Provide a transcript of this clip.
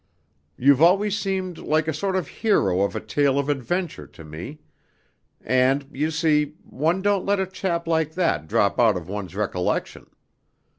You've always seemed like a sort of hero of a tale of adventure to me; and, you see, one don't let a chap like that drop out of one's recollection.